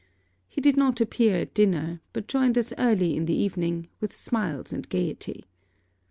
He did not appear at dinner; but joined us early in the evening, with smiles and gaiety.